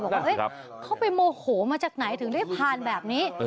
บอกว่าเขาไปโมโหมาจากไหนถึงได้ผ่านแบบนี้